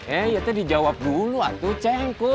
eh itu dijawab dulu tuh ceng kum